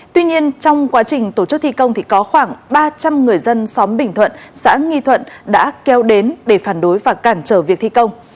tuy nhiên trong quá trình tổ chức thi công thì có khoảng ba trăm linh người dân xóm bình thuận xã nghi thuận đã keo đến để phản đối và cản trở việc thi công